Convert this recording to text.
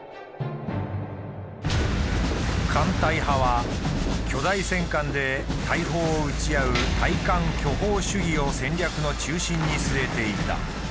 艦隊派は巨大戦艦で大砲を撃ち合う「大艦巨砲主義」を戦略の中心に据えていた。